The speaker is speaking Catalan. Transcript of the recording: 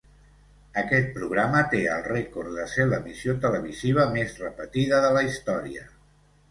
Aquest programa té el rècord de ser l'emissió televisiva més repetida de la història.